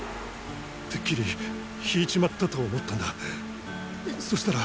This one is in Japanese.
てっきりひいちまったと思ったんだそしたら。